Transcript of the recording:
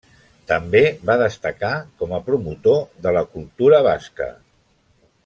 També va destacar com a promotor de la cultura basca.